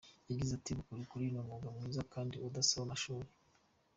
Yagize ati “Ubukorikori ni umwuga mwiza kandi udasaba amashuri.